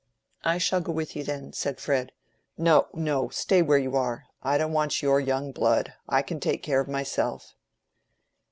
"I shall go with you, then," said Fred. "No, no; stay where you are. I don't want your young blood. I can take care of myself."